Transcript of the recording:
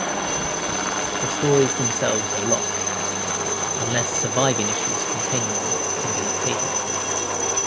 The stories themselves are lost, unless surviving issues containing them can be located.